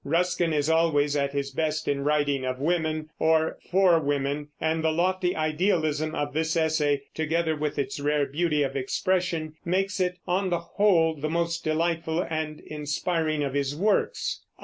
Ruskin is always at his best in writing of women or for women, and the lofty idealism of this essay, together with its rare beauty of expression, makes it, on the whole, the most delightful and inspiring of his works.